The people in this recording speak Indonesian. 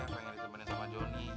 pengen ditemani sama jonny